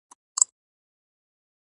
• مینه د باران څاڅکو ته ورته ده.